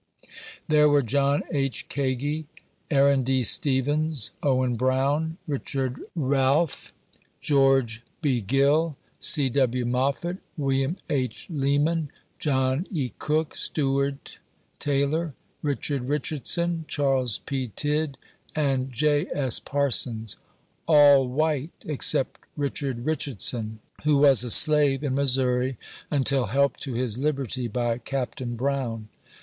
There were John H. Kagi, Aaron D. Stevens, Owen Brown, Bichard Realf, George B. Gill, C. W. Moflitt, Wm. H. Leeman, John E. Cook, Stewart Taylor, Bichard Bichardson, Charles P. Tidd and J. S. Parsons — all white except Bichard Bichardson, who was a slave in Missouri until helped to his liberty by Captain Brown.